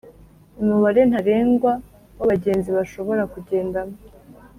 umubare ntarengwa w'abagenzi bashobora kugendamo